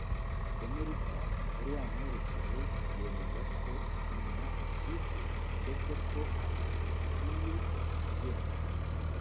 Emerita wari wamuherekeje yemezaga ko Nyina atwite ndetse ko abantu bakwiye kubyemera